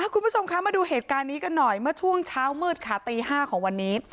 คุณผู้ชมคะมาดูเหตุการณ์นี้กันหน่อยเมื่อช่วงเช้ามืดค่ะตี๕ของวันนี้